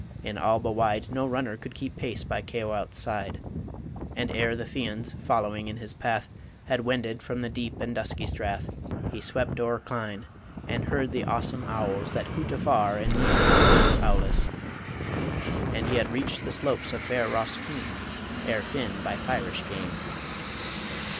In Alba wide No runner could keep pace by Caoilte's side, And ere the Fians, following in his path, Had wended from the deep and dusky strath, He swept o'er Clyne, and heard the awesome owls That hoot afar and near in woody Foulis, And he had reached the slopes of fair Rosskeen Ere Finn by Fyrish came.